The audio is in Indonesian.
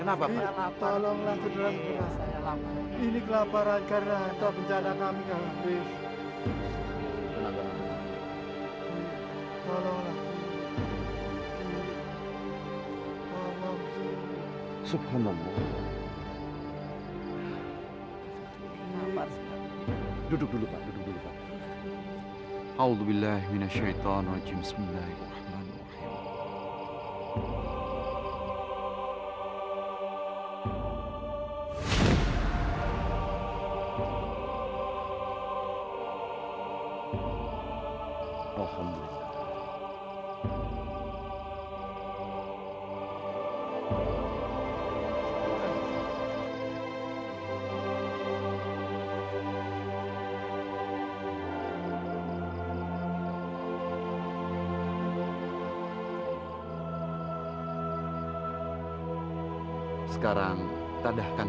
astagfirullahaladzim kamu sudah terlalu banyak membuat angkara murga di desa ini